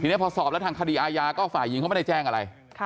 ทีนี้พอสอบแล้วทางคดีอาญาก็ฝ่ายหญิงเขาไม่ได้แจ้งอะไร